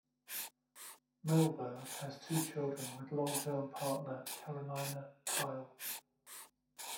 Mellberg has two children with long term partner Carolina Kihl.